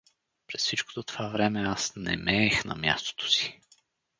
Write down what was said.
През всичкото това време аз немеех на мястото си.